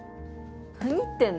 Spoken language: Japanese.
何言ってんの？